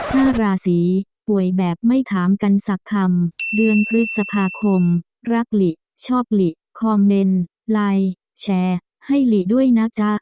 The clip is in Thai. ห้าราศีป่วยแบบไม่ถามกันสักคำเดือนพฤษภาคมรักหลิชอบหลีคอมเมนต์ไลน์แชร์ให้หลีด้วยนะจ๊ะ